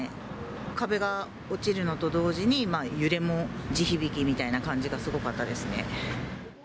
壁が落ちるのと同時に、揺れも地響きみたいな感じがすごかったですね。